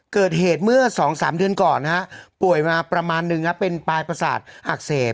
เกิดเหตุเมื่อ๒๓เดือนก่อนป่วยมาประมาณนึงเป็นปลายประสาทอักเสบ